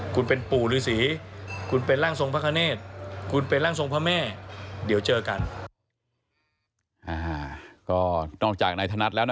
คุณเป็นปู่หรือสีคุณเป็นร่างทรงพระคะเนธ